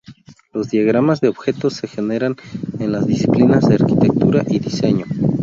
Los diagramas de objetos se generan en las disciplinas de Arquitectura y diseño.